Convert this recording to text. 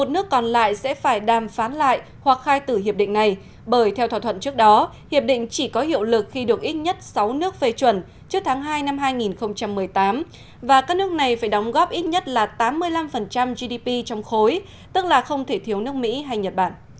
một nước còn lại sẽ phải đàm phán lại hoặc khai tử hiệp định này bởi theo thỏa thuận trước đó hiệp định chỉ có hiệu lực khi được ít nhất sáu nước phê chuẩn trước tháng hai năm hai nghìn một mươi tám và các nước này phải đóng góp ít nhất là tám mươi năm gdp trong khối tức là không thể thiếu nước mỹ hay nhật bản